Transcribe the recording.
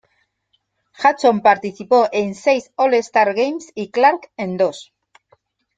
Hudson participó en seis All-Star Games y Clark en dos.